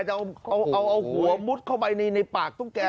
จะเอาหัวมุดเข้าไปในปากตุ๊กแก